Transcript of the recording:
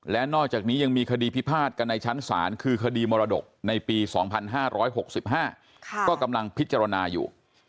และนอกจากนี้ยังมีคดีพิพาทกันในชั้นศาลคือคดีมรดกในปี๒๕๖๕ก็กำลังพิจารณาอยู่